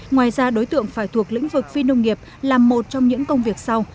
ngoài ra đối tượng phải thuộc lĩnh vực phi nông nghiệp là một trong những công việc sau